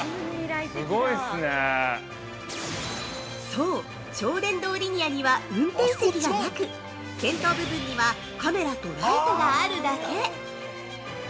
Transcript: そう、超電導リニアには運転席がなく先頭部分にはカメラとライトがあるだけ。